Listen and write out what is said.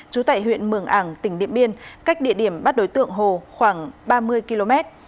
trú tại huyện mường ảng tỉnh điện biên cách địa điểm bắt đối tượng hồ khoảng ba mươi km